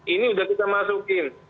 ini sudah kita masukin